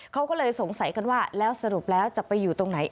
เขาก็เลยสงสัยกันว่าแล้วสรุปแล้วจะไปอยู่ตรงไหน